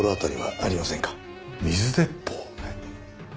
はい。